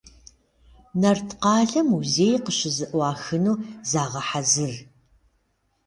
Нарткъалъэ музей къыщызэӏуахыну загъэхьэзыр.